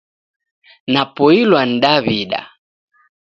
Napoilwa ni daw'ida